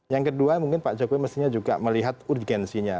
yang kedua mungkin pak jokowi mestinya juga melihat urgensinya